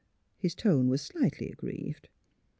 His tone was slightly aggrieved.